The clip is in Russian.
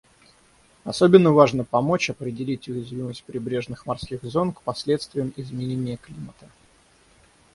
Особенно важно помочь определить уязвимость прибрежных морских зон к последствиям изменения климата.